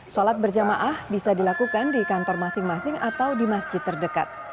sholat berjamaah bisa dilakukan di kantor masing masing atau di masjid terdekat